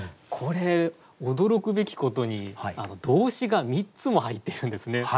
これ驚くべきことに動詞が３つも入ってるんですね。